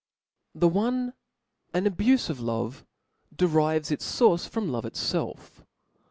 The one, an abufe of love, derives its fource from love itfelf.